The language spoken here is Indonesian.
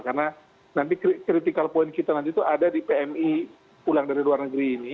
karena nanti kritikal point kita nanti itu ada di pmi pulang dari luar negeri ini